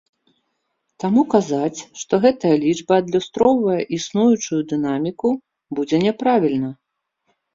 Таму казаць, што гэтая лічба адлюстроўвае існуючую дынаміку, будзе няправільна.